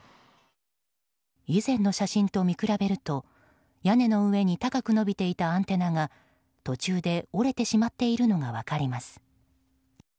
以前の写真と見比べると屋根の上に高く伸びていたアンテナが途中で折れてしまっているのが分かります。